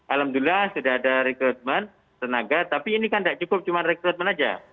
alhamdulillah sudah ada rekrutmen tenaga tapi ini kan tidak cukup cuma rekrutmen aja